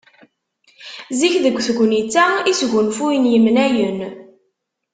Zik deg tegnit-a i sgunfuyen yemnayen.